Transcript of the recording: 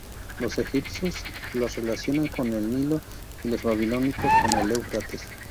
Los egipcios la relacionaban con el Nilo, y los babilonios con el Éufrates.